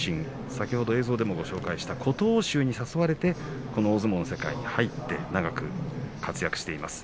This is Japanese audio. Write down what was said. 先ほど映像でもご紹介した琴欧洲に誘われて大相撲の世界に入って長く活躍しています。